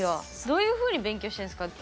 どういうふうに勉強してるんですか？